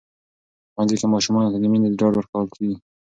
په ښوونځي کې ماشومانو ته د مینې ډاډ ورکول کېږي.